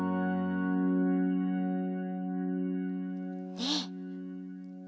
ねえ。